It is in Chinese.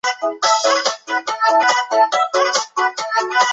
嘉靖十一年壬辰科进士。